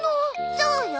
そうよ。